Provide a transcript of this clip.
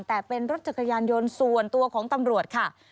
แต่เป็นรถจักรยานยนต์ส่วนตัวของตำรวจค่ะ